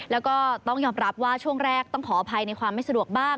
แล้วก็ต้องยอมรับว่าช่วงแรกต้องขออภัยในความไม่สะดวกบ้าง